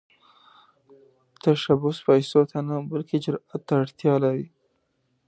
تشبث پيسو ته نه، بلکې جرئت ته اړتیا لري.